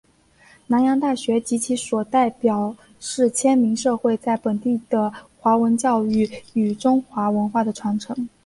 南洋大学及其所代表是迁民社会在本地的华文教育与中华文化的传承。